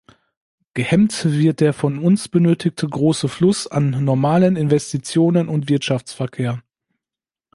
Gehemmt wird der von uns benötigte große Fluss an normalen Investitionen und Wirtschaftsverkehr.